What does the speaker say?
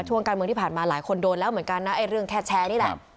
ช่วงการเมืองที่ผ่านมาหลายคนโดนแล้วเหมือนกันนะไอ้เรื่องแค่แชร์นี่แหละ